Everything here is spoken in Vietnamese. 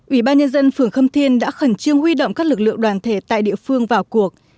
ủy ban nhân dân phường khâm thiên đã khẩn trương huy động các lực lượng đoàn thể tại địa phương vào cuộc